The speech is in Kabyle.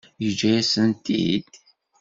Yeǧǧa-yas-tent-id?